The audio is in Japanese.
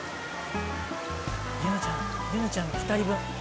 柚乃ちゃん柚乃ちゃんの２人分。